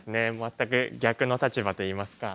全く逆の立場といいますか。